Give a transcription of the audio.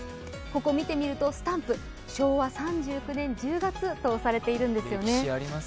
ここを見てみるとスタンプ、昭和３９年１０月と押されているんですよね。